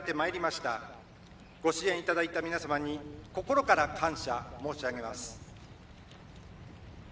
ご支援いただいた皆様に心から感謝申し上げます。